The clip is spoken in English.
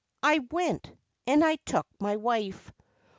I went, and I took my wife.